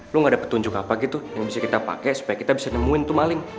lu gak ada petunjuk apa gitu yang bisa kita pakai supaya kita bisa nemuin tuh maling